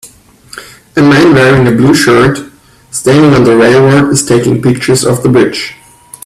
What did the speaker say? a man wearing a blue shirt, standing on the railroad is taking picture of the bridge.